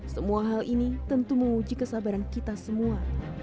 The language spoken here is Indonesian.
semua hal ini tentu menguji kesabaran kita semua